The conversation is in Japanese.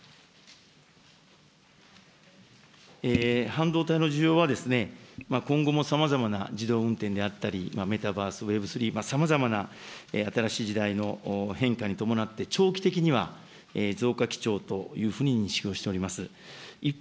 半導体の需要は今後もさまざまな自動運転であったり、メタバース、ウェブスリー、さまざまな新しい時代の変化に伴って、長期的には増加基調というふうに認識をしております。